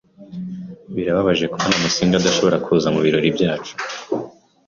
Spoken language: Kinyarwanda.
Birababaje kubona Musinga adashobora kuza mubirori byacu.